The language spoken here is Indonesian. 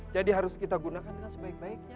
jadi harus kita gunakan dengan sebaik baiknya